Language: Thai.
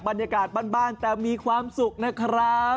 บรรยากาศบ้านแต่มีความสุขนะครับ